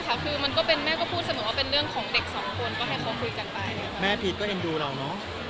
ว่าว่าก็จริงตอนนั้นแม่ก็ไม่รู้จริงเรื่องเฟฟุ๊กอะไรอะไรแม่ไม่รู้จริง